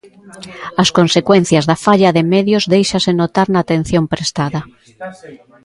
As consecuencias da falla de medios déixase notar na atención prestada.